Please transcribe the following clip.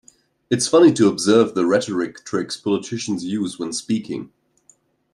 It's funny to observe the rhetoric tricks politicians use when speaking.